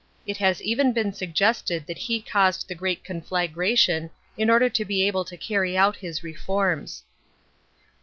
It has even been suggested that he caused the great conflagration in order to be able to carry out his reforms.